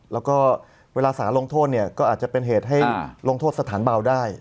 แล้วก็เวลาสารลงโทษเนี่ยก็อาจจะเป็นเหตุให้ลงโทษสถานเบาได้